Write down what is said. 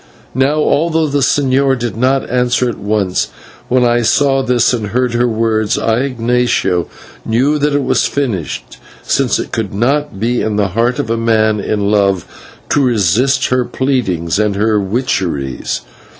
Now, although the señor did not answer at once, when I saw this and heard her words, I, Ignatio, knew that it was finished, since it could not be in the heart of a man in love to resist her pleadings and her witcheries.